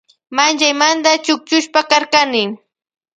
Manllaymanta chukchushpa karkani.